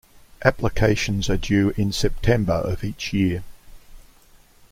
Applications are due in September of each year.